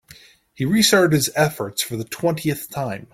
He restarted his efforts for the twentieth time.